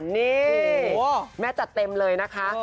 นี่แม่จัดเต็มเลยนะคะ